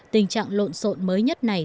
tình trạng lộn xộn mới nhất này